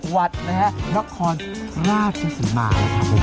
วัดนะฮะนักคลราชสุนมาแล้วครับ